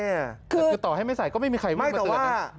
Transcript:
แต่คือต่อให้ไม่ใส่ก็ไม่มีใครมึงมาเตือน